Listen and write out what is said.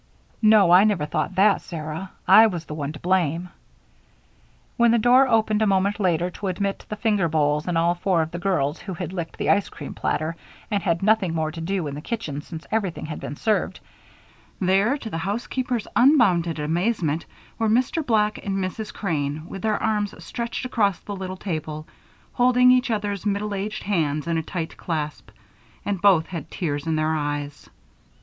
"No, I never thought that, Sarah. I was the one to blame." When the door opened a moment later to admit the finger bowls and all four of the girls, who had licked the ice cream platter and had nothing more to do in the kitchen since everything had been served there, to the housekeepers' unbounded amazement, were Mr. Black and Mrs. Crane, with their arms stretched across the little table, holding each other's middle aged hands in a tight clasp, and both had tears in their eyes.